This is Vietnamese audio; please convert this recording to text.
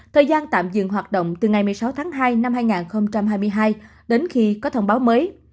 thời gian tạm dừng hoạt động từ ngày một mươi sáu tháng hai năm hai nghìn hai mươi hai đến khi có thông báo mới